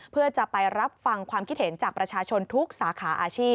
เพื่อจะไปรับฟังความคิดเห็นจากประชาชนทุกสาขาอาชีพ